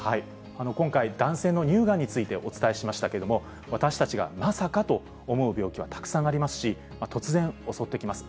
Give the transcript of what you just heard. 今回、男性の乳がんについてお伝えしましたけれども、私たちがまさかと思う病気はたくさんありますし、突然襲ってきます。